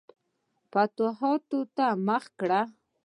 فتوحاتو ته مخه کړه.